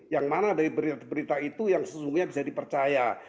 yang mana dari berita itu yang sesungguhnya bisa dipercaya